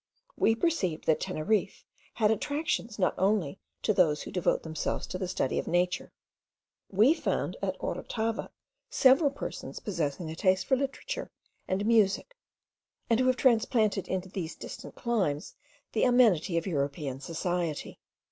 We perceived that Teneriffe had attractions not only to those who devote themselves to the study of nature: we found at Orotava several persons possessing a taste for literature and music, and who have transplanted into these distant climes the amenity of European society.